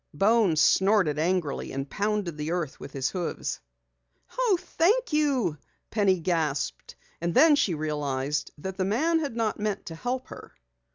Bones snorted angrily and pounded the earth with his hoofs. "Oh, thank you!" Penny gasped, and then she realized that the man had not meant to help her.